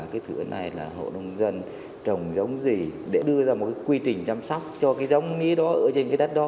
cái thử này là hộ nông dân trồng giống gì để đưa ra một cái quy trình chăm sóc cho cái giống mía đó ở trên cái đất đó